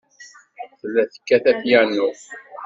Tella tekkat apyanu.